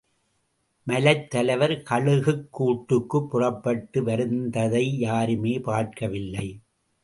மலைத்தலைவர் கழுகுக் கூட்டுக்குப் புறப்பட்டு வந்ததை யூாருமே பார்க்கவில்லை.